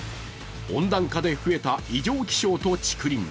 温暖化で増えた異常気象と竹林。